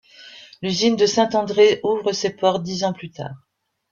L’usine de Saint-André ouvre ses portes dix ans plus tard.